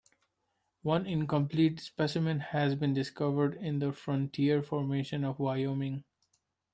One incomplete specimen has been discovered in the Frontier Formation of Wyoming.